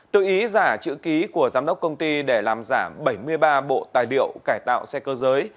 tự ý giả chữ ký của giám đốc công ty để làm giả bảy mươi ba bộ tài liệu cải tạo xe cơ giới